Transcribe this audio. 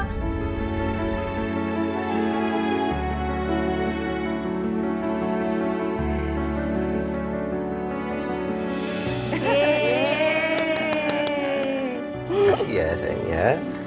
makasih ya sayangnya